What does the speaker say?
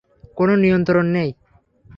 কোনো নিয়ন্ত্রণ নেই।